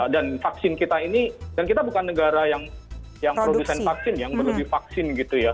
dan vaksin kita ini dan kita bukan negara yang produksi vaksin yang berlebihan vaksin gitu ya